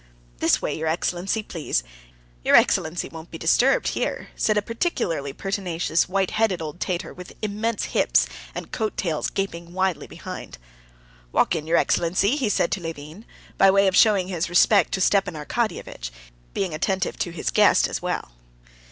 "This way, your excellency, please. Your excellency won't be disturbed here," said a particularly pertinacious, white headed old Tatar with immense hips and coat tails gaping widely behind. "Walk in, your excellency," he said to Levin; by way of showing his respect to Stepan Arkadyevitch, being attentive to his guest as well.